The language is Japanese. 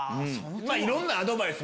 いろんなアドバイス